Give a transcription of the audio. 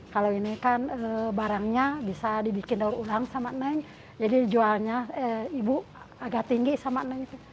kalau ini kan barangnya bisa dibikin dari ulang sama enong jadi dijualnya ibu agak tinggi sama enong itu